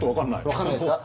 分かんないですか。